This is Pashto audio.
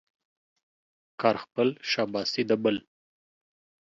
کار خپل ، شاباسي د بل.